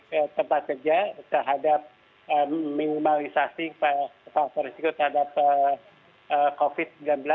ke tempat kerja terhadap minimalisasi faktor risiko terhadap covid sembilan belas